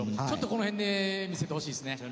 ちょっとこの辺で見せてほしいですね。